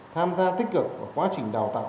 tham gia tích cực vào quá trình đào tạo